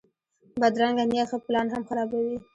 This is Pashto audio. بدرنګه نیت ښه پلان هم خرابوي